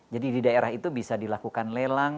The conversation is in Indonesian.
jadi di daerah itu bisa dilakukan lelang